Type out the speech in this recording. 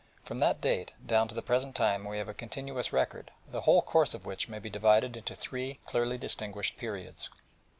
From that date down to the present time we have a continuous record, the whole course of which may be divided into three clearly distinguished periods.